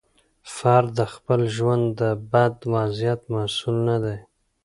فرد د خپل ژوند د بد وضعیت مسوول نه دی.